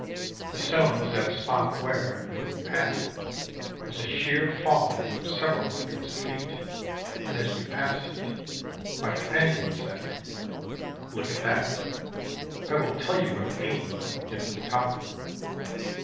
The stone was at a spot where, from the path, was a sheer fall of several hundreds of feet, and as we passed it my companion said "Look at that. I will tell you what it means when we get to the top."